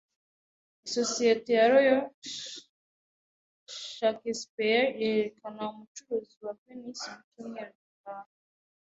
Isosiyete ya Royal Shakespeare irerekana Umucuruzi wa Venise mu cyumweru gitaha